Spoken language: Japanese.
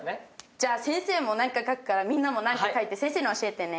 じゃあ先生も何か描くからみんなも何か描いて先生に教えてね。